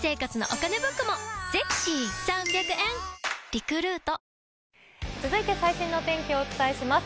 新「ＥＬＩＸＩＲ」続いて最新のお天気をお伝えします。